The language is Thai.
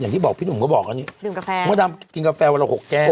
อย่างที่พี่หนุ่มก็บอกว่าเราท่านปรับกินกาแฟวันละ๖แก้